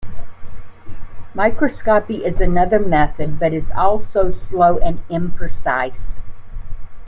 Microscopy is another method but is also slow and imprecise.